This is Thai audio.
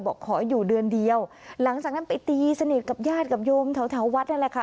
บอกขออยู่เดือนเดียวหลังจากนั้นไปตีสนิทกับญาติกับโยมแถววัดนั่นแหละค่ะ